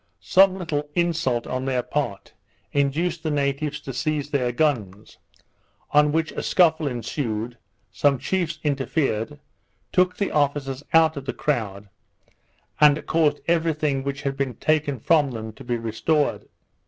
Some little insult on their part, induced the natives to seize their guns, on which a scuffle ensued, some chiefs interfered, took the officers out of the crowd, and caused every thing which had been taken from them to be restored.